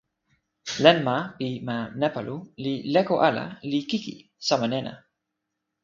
len ma pi ma Nepalu li leko ala li kiki sama nena.